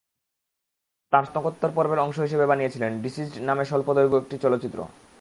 তাঁর স্নাতকোত্তর পর্বের অংশ হিসেবে বানিয়েছিলেন ডিসিস্ড নামে একটি স্বল্পদৈর্ঘ্য চলচ্চিত্র।